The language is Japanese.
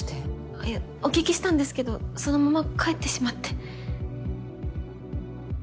あっいやお聞きしたんですけどそのまま帰ってしまって。